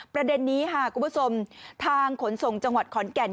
ประเด็นนี้ค่ะคุณผู้ชมทางขนส่งจังหวัดขอนแก่น